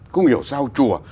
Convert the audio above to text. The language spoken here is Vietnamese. không hiểu sao chùa